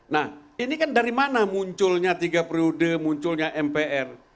nah ini kan dari mana munculnya tiga periode munculnya mpr